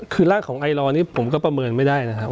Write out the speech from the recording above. คือรากของไอลอนี้ผมก็ประเมินไม่ได้นะครับ